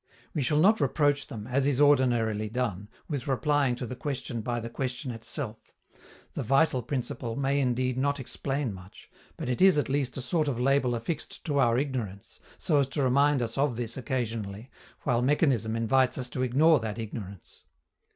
We shall not reproach them, as is ordinarily done, with replying to the question by the question itself: the "vital principle" may indeed not explain much, but it is at least a sort of label affixed to our ignorance, so as to remind us of this occasionally, while mechanism invites us to ignore that ignorance.